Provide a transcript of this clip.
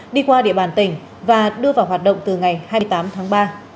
đi qua địa bàn tỉnh và đưa vào hoạt động từ ngày hai mươi tám tháng ba